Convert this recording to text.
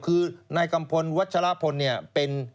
คือนายกำพลวัชละพลเป็น